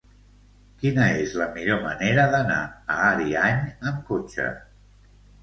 Quina és la millor manera d'anar a Ariany amb cotxe?